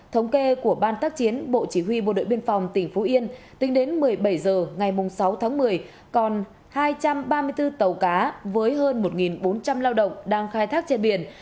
thống kê của ban tác chiến bộ chỉ huy bộ đội biên phòng tỉnh phú yên tính đến một mươi bảy h ngày sáu tháng một mươi còn hai trăm ba mươi bốn tàu cá với hơn một bốn trăm linh lao động đang khai thác trên biển